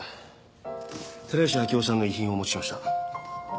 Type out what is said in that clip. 寺石明生さんの遺品をお持ちしました。